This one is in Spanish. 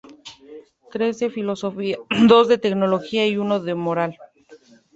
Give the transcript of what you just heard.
Tres de filosofía, dos de teología y uno de moral.